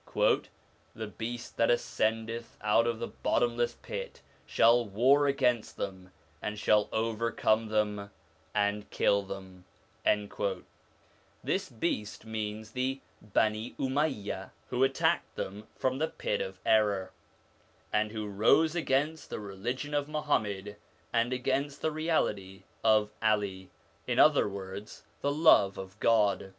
' The beast that ascendeth out of the bottomless pit shall war against them, and shall overcome them and kill them/ this beast means the Bani Umayya l who attacked them from the pit of error, and who rose against the religion of Muhammad and against the reality of 'Ali in other words, the love of God.